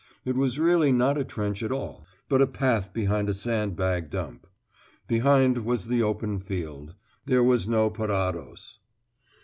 It was really not a trench at all, but a path behind a sand bag dump. Behind was the open field. There was no parados.